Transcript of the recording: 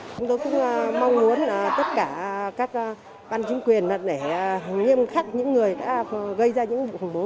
chúng tôi cũng mong muốn tất cả các ban chính quyền để nghiêm khắc những người đã gây ra những vụ khủng bố